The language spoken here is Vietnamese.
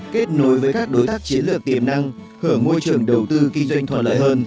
kết nối với các đối tác chiến lược tiềm năng hưởng môi trường đầu tư kinh doanh thuận lợi hơn